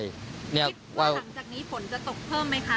คิดว่าหลังจากนี้ฝนจะตกเพิ่มไหมคะ